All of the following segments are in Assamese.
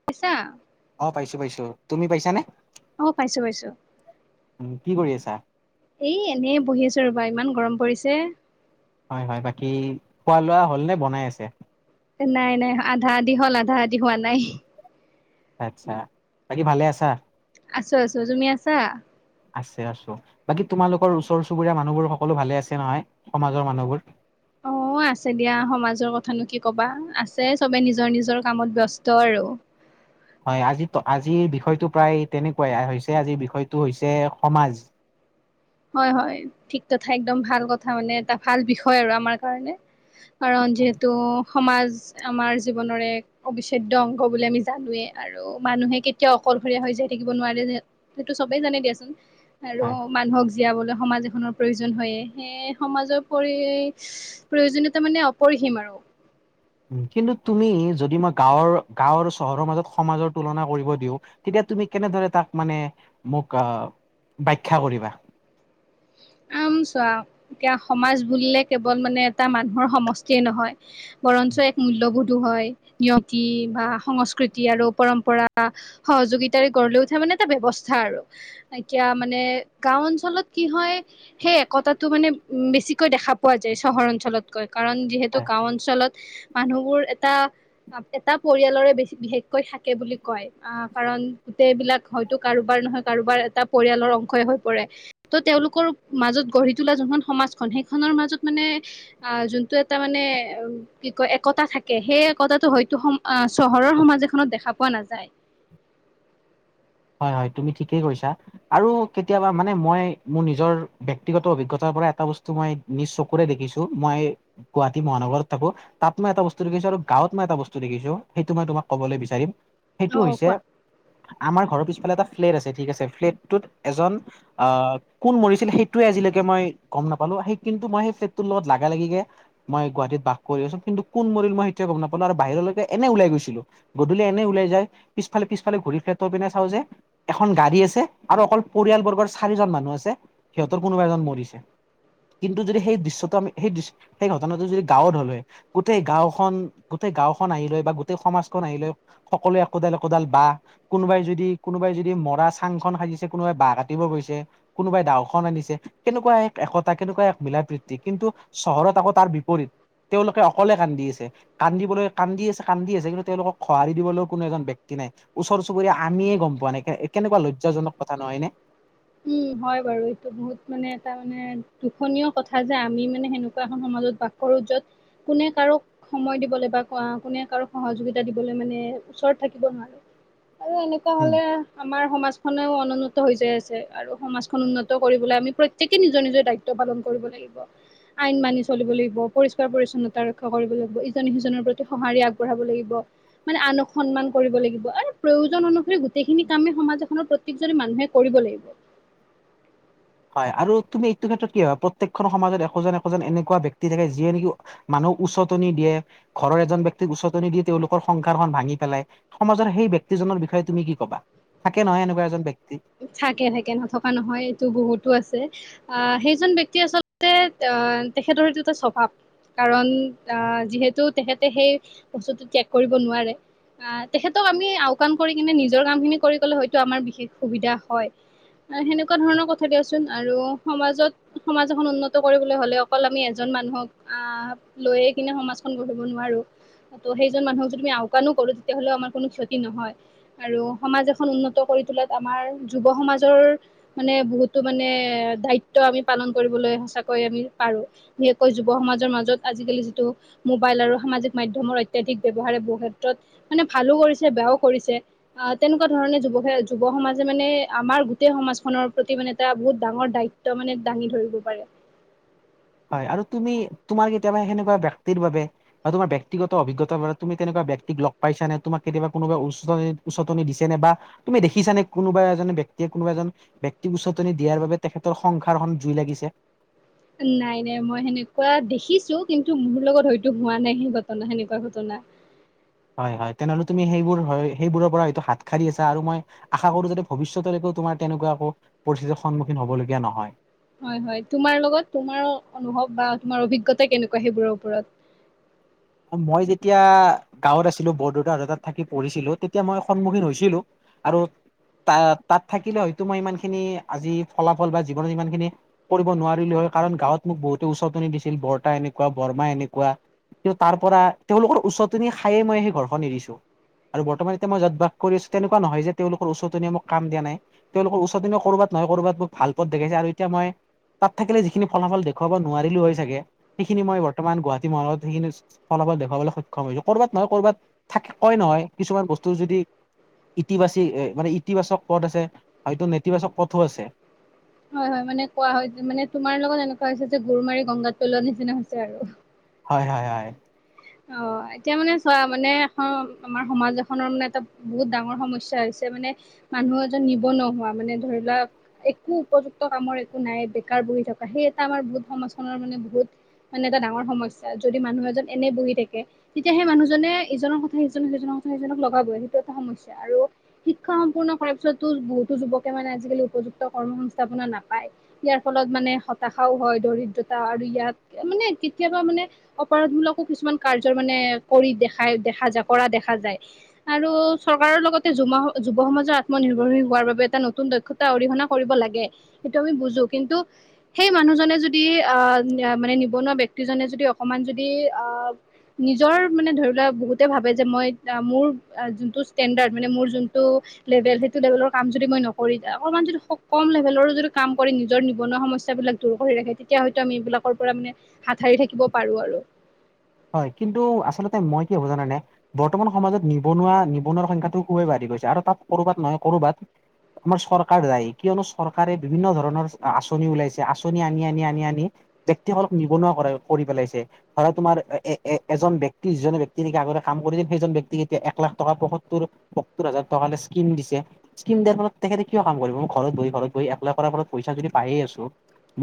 [unintelligible] অঁ', -পাইছো-পাইছো, তুমি পাইছা নে? অঁ', -পাইছো-পাইছো। উম, কি কৰি আছা? এই এনেই বহি আছো ৰ'বা ইমান গৰম পৰিছে। হয়-হয়। বাকী' খোৱা-লোৱা হ'ল নে বনাই আছে? নাই-নাই, আধা-আধি হ'ল আধা-আধি হোৱা নাই। আচ্ছা, বাকী ভালে আছা? আছোঁ আছো, তুমি আছা? আছে আছো, বাকী তোমালোকৰ ওচৰ চুবুৰীয়া মানুহবোৰ সকলো ভালে আছে নহয় সমাজৰ মানুহবোৰ? অ'। আছে দিয়া, সমাজৰ কথানো কি ক'বা, আছে চবে নিজৰ নিজৰ কামত ব্যস্ত আৰু। হয়, আজি আজিৰ বিষয়টো প্ৰায় তেনেকুৱাই হৈছে, আজিৰ বিষয়টো হৈছে সমাজ। হয়, হয়, ঠিক তথা একদম ভাল কথা মানে এটা ভাল বিষয় আৰু আমাৰ কাৰণে। কাৰণ যিহেতু সমাজ আমাৰ জীৱনৰ এক অবিচ্ছেদ্য অংগ বুলি আমি জানোৱেই আৰু মানুহে কেতিয়াও অকলশৰীয়া হৈ যায় থাকিব নোৱাৰে যে সেইটো চবেই জানে দিয়াচোন আৰু হয় মানুহক জীয়াবলৈ সমাজ এখনৰ প্ৰয়োজন হয়েই, সেয়ে সমাজৰ পৰি প্ৰয়োজনীয়তা মানে অপৰিসীম আৰু। কিন্তু তুমি যদি মই গাঁৱৰ গাঁও আৰু চহৰৰ মাজত সমাজৰ তুলনা কৰিব দিওঁ। তেতিয়া তুমি কেনেদৰে তাক মানে মোক আহ, ব্যখ্যা কৰিবা? আম, চোৱা এয়া সমাজ বুলিলে কেৱল মানে এটা মানুহৰ সমষ্টিয়ে নহয়। বৰঞ্চ এক মূল্যবোধো হয়। নিয়তি বা সংস্কৃতি আৰু পৰম্পৰা। সহযোগিতাৰে গঢ় লৈ উঠা মানে এটা ব্যৱস্থা আৰু। এতিয়া মানে গাও অঞ্চলত কি হয়। সেই একতাটো মানে উ, বেছিকৈ দেখা পোৱা যায় চহৰ অঞ্চলতকৈ। কাৰণ যিহেতু গাঁও অঞ্চলত মানুহবোৰ এটা এটা পৰিয়ালৰে বিশেষকৈ থাকে বুলি কয়। আহ, কাৰণ গোটেইবিলাক হয়তো কাৰোবাৰ নহয় কাৰোবাৰ এটা পৰিয়ালৰ অংশই হৈ পৰে। ত' তেওঁলোকৰ মাজত গঢ়ি তোলা যোনখন সমাজখন সেইখনৰ মাজত মানে অ', যোনটো এটা মানে উ কি কয় একতা থাকে, সেই একতাটো হয়তো চহৰৰ সমাজ এখনত দেখা পোৱা নাযায়। হয়, হয়, তুমি ঠিকেই কৈছা। আৰু কেতিয়াবা মানে মই মোৰ নিজৰ ব্যক্তিগত অভিজ্ঞতাৰ পৰা এটা বস্তু মই নিজ চকুৰে দেখিছো, মই গুৱাহাটী মহানগৰত থাকো। তাত মই এটা বস্তু দেখিছোঁ আৰু গাওঁত মই এটা বস্তু দেখিছোঁ, সেইটো মই তোমাক ক'বলৈ বিচাৰিম। অ সেইটো অ হৈছে কোৱা। আমাৰ ঘৰৰ পিছফালে এটা ফ্লেট আছে ঠিক আছে, ফ্লেটটোত এজন অ' কোন মৰিছিলে সেইটোৱে আজিলৈকে মই গ'ম নাপালো, সেই কিন্তু মই সেই ফ্লেটটোৰ লগত লগা লাগিকে মই গুৱাহাটীত বাস কৰি আছো, কিন্তু কোন মৰি মই সেইটোৱে গ'ম নাপালো, আৰু বাহিৰলৈকে এনে ওলাই গৈছিলো। গধূলি এনে ওলাই যায়, পিছফালে পিছফালে ঘূৰি ফ্লেটৰ পিনে চাওঁ যে এখন গাড়ী আছে আৰু অকল পৰিয়ালবৰ্গৰ চাৰিজন মানুহ আছে, সিহঁতৰ কোনোবা এজন মৰিছে। কিন্তু যদি সেই দৃশ্যটো আমি সেই সেই ঘটনাটো যদি গাঁৱত হ'ল হয়। গোটেই গাঁওখন গোটেই গাঁওখন আহিল হয় বা গোটেই সমাজখন আহিল হয়। সকলোৱে একোডাল একোডাল বাঁহ, কোনোবাই যদি কোনোবাই যদি মৰা চাংখন সাজিছে, কোনোবাই বাঁহ কাটিব গৈছে কোনোবাই দাওখন আনিছে। কেনেকুৱা এক একতা, কেনেকুৱা এক মিলা-প্ৰীতি কিন্তু চহৰত আকৌ তাৰ বিপৰীত। তেওঁলোকে অকলে কান্দি আছে। কান্দিবলৈ কান্দি আছে কান্দি আছে, কিন্তু তেওঁলোকক সঁহাৰি দিবলৈও কোনো এজন ব্যক্তি নাই। ওচৰ চুবুৰীয়া আমিয়ে গ'ম পোৱা নাই, কেনেকুৱা লজ্জাজনক কথা নহয় নে? উম, হয় বাৰু এইটো বহুত মানে এটা মানে দুখনীয় কথা যে আমি মানে সেনেকুৱা এখন সমাজত বাস কৰো য'ত কোনে কাৰো সময় দিবলৈ বা কোনে কাৰো সহযোগিতা দিবলৈ মানে ওচৰত থাকিব নোৱাৰে। আৰু এনেকুৱা উম হলে আমাৰ সমাজখনেও অনুনত হৈ যাই আছে আৰু সমাজখন উন্নত কৰিবলৈ আমি প্ৰত্যেকে নিজৰ নিজৰ দায়িত্ব পালন কৰিব লাগিব। আইন মানি চলিব লাগিব পৰিষ্কাৰ পৰিচ্ছন্নতা ৰক্ষা কৰিব লাগিব ইজনে সিজনৰ প্ৰতি সঁহাৰি আগবঢ়াব লাগিব। মানে আনক সন্মান কৰিব লাগিব আৰু প্ৰয়োজন অনুসৰি গোটেইখিনি কামে সমাজ এখনৰ প্ৰতি প্ৰত্যেকজনে মানুহে কৰিব লাগিব হয় আৰু তুমি এইটো ক্ষেত্ৰত কি হয় প্ৰত্যেকখন সমাজত এশজন এশজন এনেকুৱা ব্যক্তি থাকে যিয়ে নেকি মানুহ উচতনি দিয়ে ঘৰৰ এজন ব্যক্তিক উচতনি দি তেওঁলোকৰ সংসাৰখন ভাঙি পেলাই। সমাজৰ সেই ব্যক্তিজনৰ বিষয়ে তুমি কি কবা? থাকে নহয় এনেকুৱা এজন ব্যক্তি। থাকে থাকে নথকা নহয় এইটো বহুতো আছে। আহ সেইজন ব্যক্তি আচলতে আহ তেখেতৰ যিটো স্বভাৱ কাৰণ আ যিহেতু তেখেতে সেই বস্তুটো ত্যাগ কৰিব নোৱাৰে। আহ তেখেতক আমি আওকাণ কৰি কিনে নিজৰ কামখিনি কৰি গলে হয়তো আমাৰ বিশেষ সুবিধা হয়। সেনেকুৱা ধৰণৰ কথা দিয়চোন আৰু সমাজত সমাজ এখন উন্নত কৰিবলৈ হলে অকল আমি এজন মানুহক আহ লৈয়ে কিনে সমাজখন গঢ়িব নোৱাৰো ত সেইজন মানুহক যদি আমি আওকাণো কৰো তেতিয়াহলে আমাৰ কোনো ক্ষতি নহয়। আৰু সমাজ এখন উন্নত কৰি তোলাত আমাৰ যুৱ সমাজৰ মানে বহুতো মানে দায়িত্ব আমি পালন কৰিবলৈ সঁচাকৈ আমি পাৰো। বিশেষকৈ যুৱ সমাজৰ মাজত আজিকালি যিটো মোবাইল আৰু সামাজিক মাধ্যমৰ অত্যাধিক ব্যৱহাৰে বহু ক্ষেত্ৰত মানে ভালো কৰিছে বেয়াও কৰিছে। অ তেনেকুৱা ধৰণে যুৱক সে যুৱ সমাজে মানে আমাৰ গোটেই সমাজখনৰ প্ৰতি মানে এটা বহুত ডাঙৰ দায়িত্ব মানে দাঙি ধৰিব পাৰে। হয় আৰু তুমি তোমাৰ কেতিয়াবা সেনেকুৱা ব্যক্তিৰ বাবে। বা তোমাৰ ব্যক্তিগত অভিজ্ঞতাৰ বাবে তুমি তেনেকুৱা ব্যক্তিক লগ পাইছ নে তোমাক কেতিয়াবা কোনোবা উচ উচতনি দিছে নে বা তুমি দেখিছানে কোনোবা এজন ব্যক্তিয়ে কোনোবা এজন ব্যক্তিক উচতনি দিয়াৰ বাবে তেখেতৰ সংসাৰখন জুই লাগিছে। নাই নাই মই সেনেকুৱা দেখিছো কিন্তু মোৰ লগত হয়তো হোৱা নাই সেই ঘটনা সেনেকুৱা ঘটনা। হয় হয় তেনেহ'লে তুমি সেইবোৰ হয় সেইবোৰৰ পৰা হয়টো হাত সাৰি আছা আৰু মই আশা কৰো যাতে ভিষ্যতলৈকে তোমাৰ তেনেকুৱা একো পৰিস্থিতিৰ সন্মুখীন হ'বলগীয়া নহয়। হয় হয় তোমাৰ লগত তোমাৰ অনুভৱ বা তোমাৰ অভিজ্ঞতা কেনেকুৱা সেইবোৰৰ ওপৰত? মই যেতিয়া গাঁৱত আছিলো বৰদেউতাহঁতৰ তাত থাকি পঢ়িছিলো তেতিয়া মই সন্মুখীন হৈছিলো। আৰু তা তাত থাকিলে হয়তো মই ইমান খিনি আজি ফলাফল বা জীৱনত ইমান খিনি কৰিব নোৱাৰিলে হয় কাৰণ গাঁৱত মোক বহুতে উচতনি দিছিল বৰ্তা এনেকুৱা বৰমা এনেকুৱা। কিয় তাৰপৰা তেওঁলোকৰ উচতনি খায়ে মই সেই ঘৰখন এৰিছো। আৰু বৰ্তমান এতিয়া মই যত বাস কৰি আছো তেনেকুৱা নহয় যে তেওঁলোকৰ চতনিয় মোক কাম দিয়া নাই। তেওঁলোকৰ উচতনিয়ে ক'ৰবাত নহয় ক'ৰবাত ভাল পথ দেখাইছে আৰু এতিয়া মই তাত থাকিলে যিখিনি ফলাফল দেখুৱাব নোৱাৰিলো হয় চাগে সেইখিনি মই বৰ্তমান গুৱাহাটী মহানগৰত সেইখিনি ফলাফল দেখুৱাবলৈ সক্ষম হৈছো কৰ'বাত নহয় কৰ'বাত থাক কয় নহয় কিছুমান বস্তু যদি ইতিবাচি মানে ইতিবাচক পথ আছে হয়তো নেতিবাচক পথো আছে। হয় হয় মানে কোৱা হয় মানে তোমাৰ লগত এনেকুৱা হৈছে যে গৰু মাৰি গংগাত পলোৱা নিচিনা হৈছে আৰু। হয় হয় হয়। অ এতিয়া মানে চোৱা মানে এখন আমাৰ সমাজ এখনৰ মানে এটা বহুত ডাঙৰ সমস্যা হৈছে মানে মানুহ এজন নিবনহুৱা মানে ধৰি লোৱা একো উপযুক্ত কামৰ একো নাই বেকাৰ বহি থকা সেই এটা আমাৰ বহুত সমাজখনৰ মানে বহুত। মানে এটা ডাঙৰ সমস্যা যদি মানুহ এজন এনে বহি থাকে তেতিয়া সেই মানুহজনে ইজনৰ কথা সিজনক সিজনৰ কথা সিজনক লগাবই সেইটো এটা সমস্যা আৰু। শিক্ষা সম্পূৰ্ণ কৰাৰ পিছতো বহুতো যুৱকে মানে আজিকালি উপযুক্ত কৰ্ম সংস্থাপনা নাপায়। ইয়াৰ ফলত মানে হতাশাও হয় দৰিদ্ৰতা আৰু ইয়াত মানে কেতিয়াবা মানে। অপৰাধ মূলকো কিছুমান কাৰ্যৰ মানে কৰি দেখাই দেখা যায় কৰা দেখা যায়। আৰু চৰকাৰৰ লগতে যুৱ সমাজৰ আত্মনিৰ্ভৰশীল হোৱাৰ বাবে এটা নতুন দক্ষতা অৰিহণা কৰিব লাগে সেইটো আমি বুজো। কিন্তু সেই মানুহজনে যদি আহ মানে নিবনুৱা ব্যক্তিজনে যদি অকমান যদি আহ নিজৰ মানে ধৰি লোৱা বহুতে ভাবে যে মই মোৰ যোনটো ষ্টেণ্ডাৰ্ড মানে মোৰ যোনটো লেভেল সেইটো লেভেলৰ কাম যদি মই নকৰি অকণমান যদি কম লেভেলৰো যদি কাম কৰি নিজৰ নিবনুৱা সমস্যা বিলাক দূৰ কৰি ৰাখে তেতিয়া হয়তো আমি এইবিলাকৰ পৰা মানে হাত সাৰি থাকিব পাৰো আৰু। হয় কিন্তু আচলতে মই কি ভাবো জানানে বৰ্তমান সমাজত নিবনুৱা নিবনুৱাৰ সংখ্যাটো খুবেই বাঢ়ি গৈছে আৰু তাত কৰ'বাত নহয় কৰ'বাত আমাৰ চৰকাৰ দায় কিয়নো চৰকাৰে বিভিন্ন ধৰণৰ আঁচনি ওলাইছে আঁচনি আনি আনি আনি আনি ব্যক্তিসকলক নিবনুৱা কৰা কৰি পেলাইছে ধৰা তোমাৰ এজন ব্যক্তি যিজন ব্যক্তি নেকি আগৰে কাম কৰিছিল সেইজন ব্যক্তিক এতিয়া এক লাখ টকা পসত্তুৰ পসত্তৰ হাজাৰ টকাৰ স্কীম দিছে। স্কীম দিয়াৰ ফলত তেখেতে কিয় কাম কৰিব মই ঘৰত বহি ঘৰত বহি এপ্লাই কৰাৰ ফলত পইচা যদি পাইয়েই আছোঁ।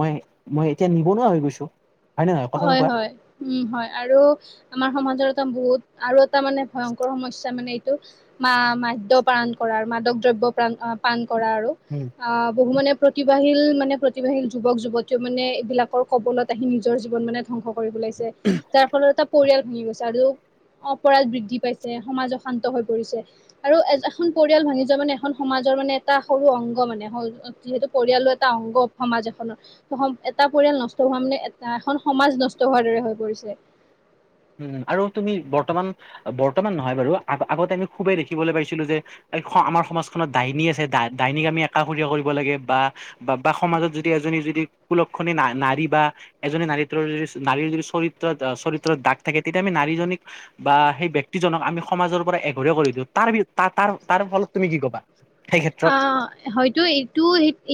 মই মই এতিয়া নিবনুৱা হৈ গৈছোঁ। হয় হয় উম হয় আৰু আমাৰ সমাজৰ এটা বহুত আৰু এটা মানে ভয়ংকৰ সমস্যা মানে মা মাদ্য পান কৰা মাদক দ্ৰব্য পান কৰা আৰু সেইটো। উম। আহ বহু মানে প্ৰতিভাশীল মানে প্ৰতিভাশীল যুৱক যুৱতী মানে এইবিলাকৰ কবলত আহি নিজৰ জীৱন মানে ধ্বংস কৰি পলাইছে যাৰ ফলত এটা পৰিয়াল ভাঙি গৈছে। আৰু অপৰাধ বৃদ্ধি পাইছে সমাজ অশান্ত হৈ পৰিছে। আৰু এখন পৰিয়াল ভাঙি যোৱা মানে এখন সমাজৰ মানে এটা সৰু অংগ মানে যিহেতু পৰিয়ালৰ এটা অংগ সমাজ এখনৰ এটা পৰিয়াল নষ্ট হোৱা মানে এখন সমাজ নষ্ট হোৱাৰ দৰে হৈ পৰিছে। উম আৰু তুমি বৰ্তমান বৰ্তমান নহয় বাৰু আগতে আমি খুবেই দেখিবলৈ পাইছিলোঁ যে আমাৰ সমাজখনত ডাইনী আছে ডাইনীক আমি একাষৰীয়া কৰিব লাগে বা বা বা সমাজত যদি এজনী যদি কুলক্ষণি না নাৰী বা এজনী নাৰীৰ যদি চৰিত্ৰত চৰিত্ৰত দাগ থাকে তেতিয়া আমি নাৰী জনীক বা সেই ব্যক্তিজনক আমি সমাজৰ পৰা এঘৰীয়া কৰি দিওঁ তাৰ তাৰ তাৰ ফলত তুমি কি কবা? সেই ক্ষেত্ৰত আহ। হয়তো এইটো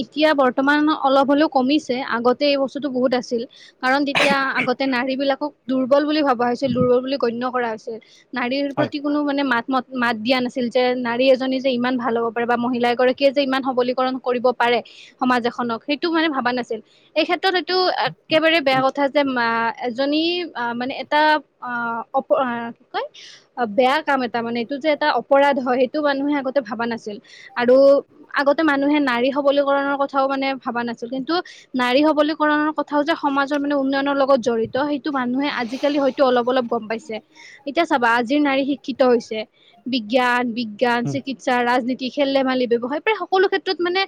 এতিয়া বৰ্তমান অলপ হ'লেও কমিছে আগতে এই বস্তুটো বহুত আছিল। কাৰণ তেতিয়া আগতে নাৰী বিলাকক দুৰ্বল বুলি ভাবোঁ। দুৰ্বল বুলি গণ্য কৰা হৈছে নাৰীৰ হয়। প্ৰতি কোনো মানে মাত মতা মাত দিয়া নাছিল যে নাৰী এজনী যে ইমান ভাল হ'ব পাৰে। বা মহিলা এগৰাকীয়ে যে ইমান সবলীকৰণ কৰিব পাৰে। সমাজ এখনক সেইটো মানে ভাবা নাছিল এই ক্ষেত্ৰত এইটো একেবাৰে বেয়া কথা যে মা এজনী আ মানে এটা অহ অপ কি কয় বেয়া কাম এটা মানে এইটো যে এটা অপৰাধ হয় সেইটো মানুহে আগতে ভাবা নাছিল। আৰু আগতে মানুহে নাৰী সবলীকৰণৰ কথাও মানে ভবা নাছিল। কিন্তু, নাৰী সবলীকৰণৰ কথাও যে, সমাজৰ মানে, উন্নয়নৰ লগত জড়ি ত। সেইটো মানুহে, আজিকালি হয়তো, অলপ- অলপ গম পাইছে। এতিয়া চাবা, আজিৰ নাৰী শিক্ষিত হৈছে। বিজ্ঞান- বিজ্ঞান, চিকিৎসা, ৰাজনীতি, কি খেল-ধেমালি, ব্যৱসায়, প্ৰায় সকলো ক্ষেত্ৰত মানে,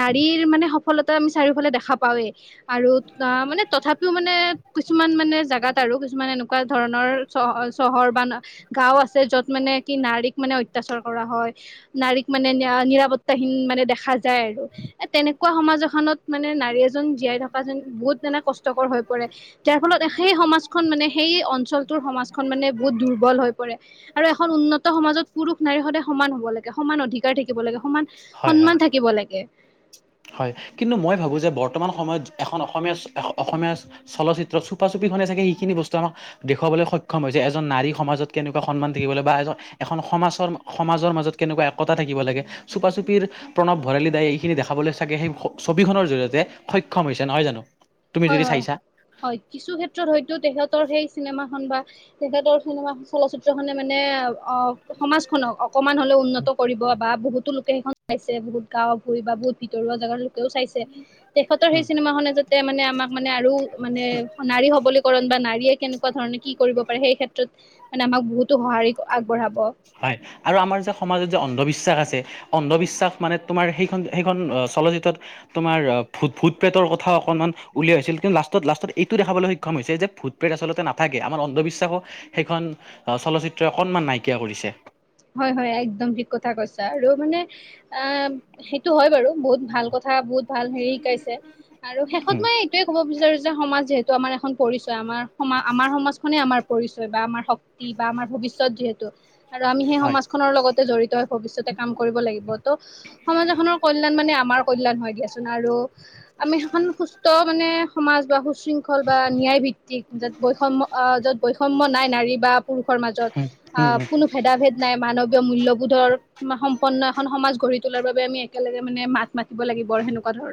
নাৰীৰ মানে, সফলতা আমি চাৰিওফালে দেখা পাওঁৱে। আৰু আঁ মানে, তথাপিও মানে, কিছুমান মানে, জাগাত আৰু। কিছুমান এনেকুৱা ধৰণৰ চ-চহৰ বা গাঁও আছে। য'ত মানে, কি নাৰীক মানে, অত্যাচাৰ কৰা হয়। নাৰীক মানে, নিৰা- নিৰাপত্তাহীন মানে, দেখা যায় আৰু। এ, তেনেকুৱা সমাজ এখনত মানে, নাৰী এজন, জীয়াই থকা যেন, বহুত মানে, কষ্টকৰ হৈ পৰে! যাৰ ফলত, সেই সমাজখন মানে, সেই অঞ্চলটোৰ সমাজখন মানে, বহুত দুৰ্বল হৈ পৰে! আৰু এখন উন্নত সমাজত, পুৰুষ-নাৰী সদায় সমান হ'ব লাগে, সমান অধিকাৰ থাকিব লাগে, সমান হয় হয় সন্মান থাকিব লাগে। হয়। কিন্তু, মই ভাবোঁ যে, বৰ্তমান সময়ত এখন অসমীয়া, অসমীয়া- চলচিত্ৰ, চপা-চুপিখনে চাগে, সেইখিনি বস্তু আমাক দেখুৱাবলৈ সক্ষম হৈছে। এজন নাৰী সমাজত কেনেকুৱা সন্মান থাকিবলৈ বা এজন, এখন সমাজৰ, সমাজৰ মাজত কেনেকুৱা একতা থাকিব লাগে? চুপা-চুপিৰ প্ৰণৱ ভৰালি দাই, এইখিনি দেখাবলৈ- তাকে সেই, ছবি খনৰ জৰিয়তে, সক্ষম হৈছে। নহয় জানোঁ? হয়, হয়, হয়। কিছু ক্ষেত্ৰত হয়তো, তেখেতৰ সেই, চিনেমাখন বা- তেখেতৰ চিনেমা, চলচিত্ৰখনে মানে, অ'! সমাজখনক অকমান হ'লেও উন্নত কৰিব বা বহুতো লোকে সেইখন চাইছে, বহুত গাঁও, ভূই বা বহুত ভিতৰুৱা জেগাৰ লোকেও চাইছে। তেখেতৰ উম সেই চিনেমাখনে যাতে মানে, আমাক মানে, আৰু মানে, নাৰী সবলীকৰণ বা নাৰীয়ে, কেনেকুৱা ধৰণে, কি কৰিব পাৰে, সেই ক্ষেত্ৰত মানে, আমাক বহুতো সঁহাৰি আগবঢ়াব। হয়! আৰু আমাৰ যে, সমাজত যে অন্ধবিশ্বাস আছে। অন্ধবিশ্বাস মানে, তোমাৰ সেইখন-সেইখন চলচিত্ৰত তোমাৰ, ভূত-পেটৰ কথাও অকণমান উলিয়াইছিল। কিন্তু, লাষ্টত-লাষ্টত এইটো দেখাবলৈ সক্ষম হৈছে যে, ভূত প্ৰেত আচলতে নাথাকে। আমাৰ অন্ধবিশ্বাসো, সেইখন চলচিত্ৰই অকণমান নাইকিয়া কৰিছে। হয়, হয়, একদম ঠিক কথা কৈছা! আৰু মানে, আঁ সেইটো হয় বাৰু! বহুত ভাল কথা, বহুত ভাল সেৰি শিকাইছে আৰু শেষত উম মই, এইটোৱে ক'ব বিচাৰো যে, সমাজ যিহেতু, আমাৰ এখন পৰিচয়, আমাৰ-আমাৰ সমাজখনেই আমাৰ পৰিচয় বা আমাৰ শ ক্তি বা আমাৰ, ভৱিষ্যত যিহেতু। আৰু আমি সেই হয় সমাজখনৰ লগতে জড়িত হৈ, ভৱিষ্যতে কাম কৰিব লাগিব। ত' সমাজ এখনৰ কল্যাণ মানে, আমাৰ কল্যাণ হয়, দিয়াচোন। আৰু আমি, এখন সুস্থ মানে, সমাজ বা সু-শৃং- - খল বা ন্যায় ভিত্তিক। য'ত, বৈষম্য আঁ য'ত বৈষম্য নাই, নাৰী বা পুৰুষৰ মাজত। উম উম আঁ উম কোনো ভেদা-ভেদ নাই। মানৱীয় মূল্যবোধৰ, সম্পন্ন এখন সমাজ গঢ়ি তোলাৰ বাবে আমি একেলগে মানে, মাত- মা তিব লাগিব আৰু সেনেকুৱা ধৰ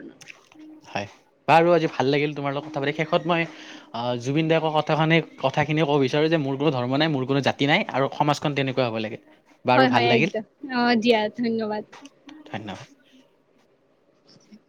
হয়! বাৰু আজি, ভাল লাগিল তোমাৰ লগত কথা পাতি! শেষত মই, আঁ জুবিন দায় কোৱা কথাখিনি, কথাখিনিয়ে ক'ব বিচাৰোঁ যে, মোৰ কোনো ধৰ্ম নাই, মোৰ জাতি নাই। আৰু সমাজ খন তেনেকুৱা হ'ব লাগে। বাৰু হয়, ভাল হয়, একদম। অ'! দিয়া, ধন্যবাদ। ধন্য [unintelligible]